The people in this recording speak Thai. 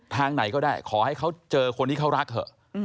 ทางไหนก็ได้ขอให้เขาเจอคนที่เขารักเถอะ